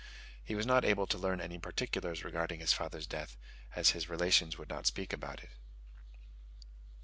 He was not able to learn any particulars regarding his father's death, as his relations would not speak about it.